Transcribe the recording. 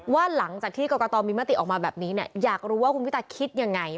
ว่าหลังจากที่กรกตมีมติออกมาแบบนี้เนี่ยอยากรู้ว่าคุณพิตาคิดยังไง